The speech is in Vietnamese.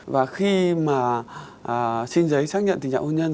và khi mà xin giấy xác nhận tình trạng hôn nhân